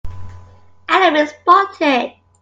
Enemy spotted!